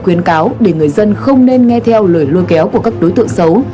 và khuyên cáo để người dân không nên nghe theo lời lôi kéo của các đối tượng xấu